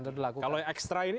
kalau yang ekstra ini